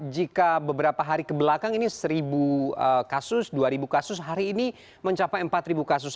jika beberapa hari kebelakang ini satu kasus dua ribu kasus hari ini mencapai empat kasus